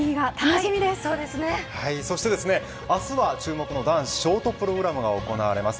そして明日は注目の男子ショートプログラムが行われます。